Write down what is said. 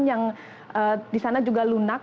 yang disana juga lunak